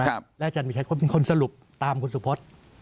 แล้วอาจารย์มีใครเป็นคนสรุปตามคุณสุพธิ์